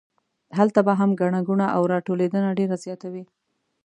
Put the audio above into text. هلته به هم ګڼه ګوڼه او راټولېدنه ډېره زیاته وي.